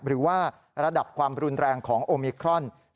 หรือว่าระดับความรุนแรงของโอมิครอน